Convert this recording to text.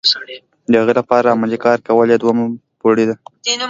د هغې لپاره عملي کار کول یې دوهمه پوړۍ ده.